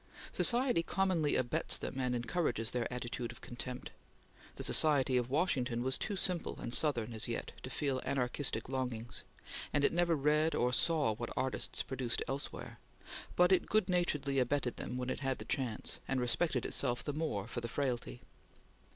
Society commonly abets them and encourages their attitude of contempt. The society of Washington was too simple and Southern as yet, to feel anarchistic longings, and it never read or saw what artists produced elsewhere, but it good naturedly abetted them when it had the chance, and respected itself the more for the frailty.